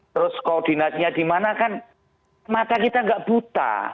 terus koordinasinya di mana kan mata kita nggak buta